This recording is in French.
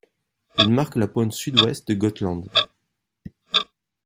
Il marque la pointe sud-ouest de Gotland.